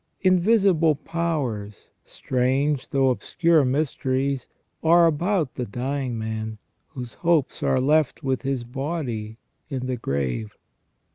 Invisible powers, strange though obscure mysteries, are about the dying man, whose hopes are left with his body in the grave.